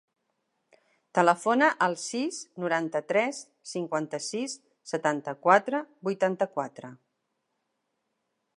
Telefona al sis, noranta-tres, cinquanta-sis, setanta-quatre, vuitanta-quatre.